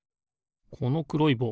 このくろいぼう